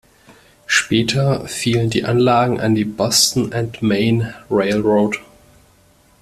Später fielen die Anlagen an die Boston and Maine Railroad.